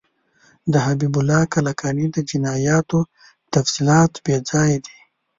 د حبیب الله کلکاني د جنایاتو تفصیلات بیځایه دي.